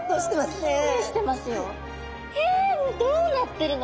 もうどうなってるの？